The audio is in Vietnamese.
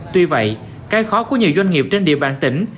tuy vậy cái khó của nhiều doanh nghiệp trên địa bàn tỉnh